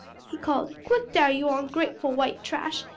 he called, "quick dar, you ongrateful white trash!